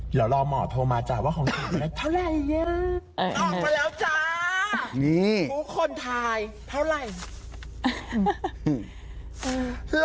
เดี๋ยวรอหมอโทรมาจ่ะว่าของจริงเท่าไหร่